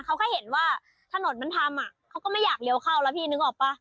เขาก็เห็นว่าถนนมันทำอ่ะเขาก็ไม่อยากเลี้ยวเข้าแล้วพี่นึกออกป่ะ